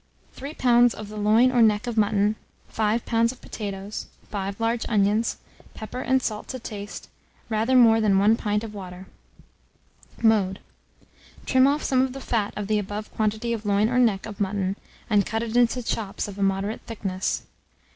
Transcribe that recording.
3 lbs. of the loin or neck of mutton, 5 lbs. of potatoes, 5 large onions, pepper and salt to taste, rather more than 1 pint of water. Mode. Trim off some of the fat of the above quantity of loin or neck of mutton, and cut it into chops of a moderate thickness.